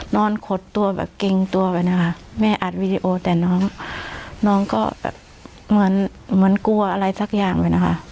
ขดตัวแบบเกรงตัวไปนะคะแม่อัดวีดีโอแต่น้องน้องก็แบบเหมือนเหมือนกลัวอะไรสักอย่างเลยนะคะ